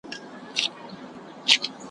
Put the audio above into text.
مخ يې تور په ونه جگ په اوږو پلن وو ,